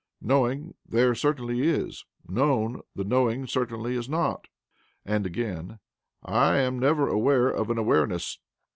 Knowing there certainly is; known, the knowing certainly is not"(p. 410). And again: "I am never aware of an awareness" (ib.).